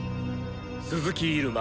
鈴木入間